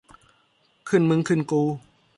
ขึ้นมึงขึ้นกู